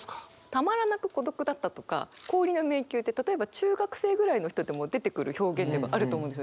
「たまらなく孤独だった」とか「氷の迷宮」って例えば中学生ぐらいの人でも出てくる表現でもあると思うんですね。